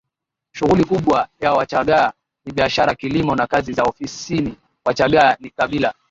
Shughuli kubwa ya Wachagga ni biashara kilimo na kazi za ofisiniWachagga ni kabila